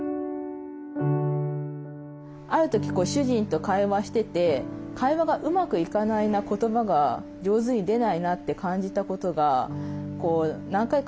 ある時主人と会話してて会話がうまくいかないな言葉が上手に出ないなって感じたことが何回かあったんですね。